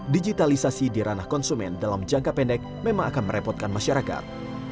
digitalisasi di ranah konsumen dalam jangka pendek memang akan merepotkan masyarakat